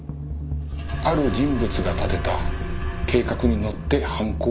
ある人物が立てた計画に乗って犯行を行った。